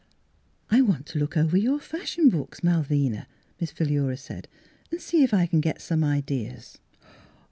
" I want to look over your fashion books, Malvina," Miss Philura said, " and see if I can get some ideas."